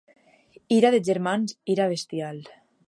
Ira de germans, ira bestial.